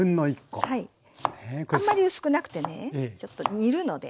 あんまり薄くなくてねちょっと煮るので。